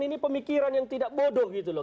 ini pemikiran yang tidak bodoh gitu loh